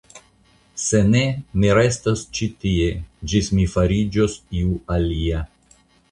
Se ne, mi restos ĉi tie, ĝis mi fariĝos iu alia.